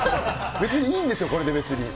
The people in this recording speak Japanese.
別にいいんですよ、これで。